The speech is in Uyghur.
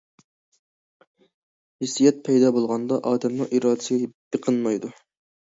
ھېسسىيات پەيدا بولغاندا، ئادەمنىڭ ئىرادىسىگە بېقىنمايدۇ.